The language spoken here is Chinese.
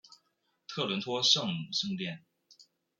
特伦托圣母圣殿。